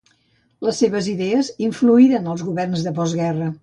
Les seves idees influïren els governs de postguerra.